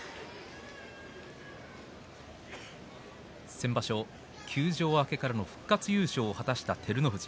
先場所休場明けから復活優勝を果たした照ノ富士。